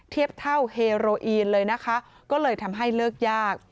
เทียบเท่าเฮโรอีนเลยนะคะก็เลยทำให้เลิกยาก